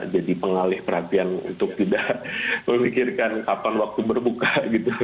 jadi pengalih perhatian untuk tidak memikirkan kapan waktu berbuka gitu